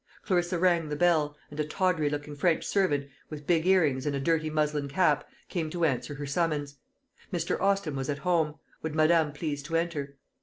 Clarissa rang a bell, and a tawdry looking French servant, with big earrings and a dirty muslin cap, came to answer her summons. Mr. Austin was at home; would madame please to enter.